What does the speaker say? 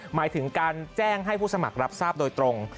หมายถึงการแจ้งให้ผู้สมัครรับทราบโดยตรง